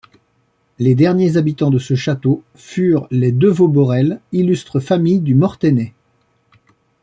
Les derniers habitants de ce château furent les de Vauborel, illustre famille du Mortainais.